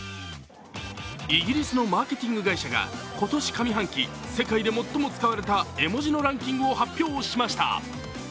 イギリスのマーケティング会社が今年上半期、世界で最も使われた絵文字のランキングを発表しました。